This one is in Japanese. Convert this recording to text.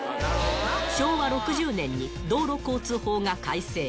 昭和６０年に道路交通法が改正。